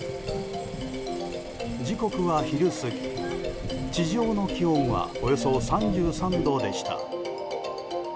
時刻は昼過ぎ、地上の気温はおよそ３３度でした。